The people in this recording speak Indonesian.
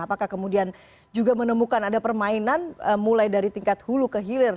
apakah kemudian juga menemukan ada permainan mulai dari tingkat hulu ke hilir